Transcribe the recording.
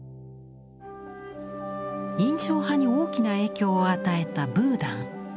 印象派に大きな影響を与えたブーダン。